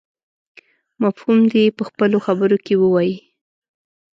مفهوم دې يې په خپلو خبرو کې ووايي.